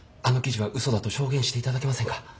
あの記事はうそだと証言して頂けませんか？